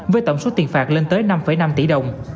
với tổng số tiền phạt lên tới năm năm tỷ đồng